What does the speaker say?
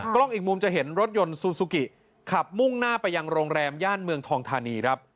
กล้องอีกมุมจะเห็นรถยนต์ซูซูกิขับมุ่งหน้าไปยังโรงแรมย่านเมืองทองธานีครับ